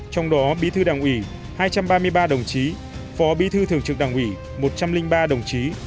trong đó bí thư đảng ủy hai trăm ba mươi ba đồng chí phó bí thư thường trực đảng ủy một trăm linh ba đồng chí